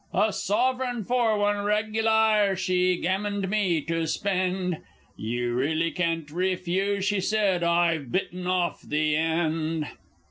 A sov. for one regaliar she gammoned me to spend. "You really can't refuse," she said, "I've bitten off the end!"